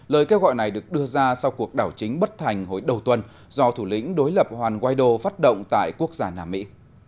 lời kêu gọi này được đưa ra sau cuộc đảo chính bất thành hồi đầu tuần do thủ lĩnh đối lập juan guaido phát động tại quốc gia nam mỹ